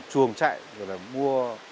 chuồng chạy rồi là mua